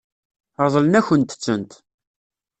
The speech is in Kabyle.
Ṛeḍlen-akent-tent.